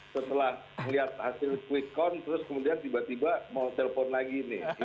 setelah melihat hasil quick con terus kemudian tiba tiba mau telpon lagi